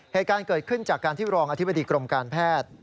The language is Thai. เหตุการณ์เกิดขึ้นจากการที่รองอธิบดีกรมการแพทย์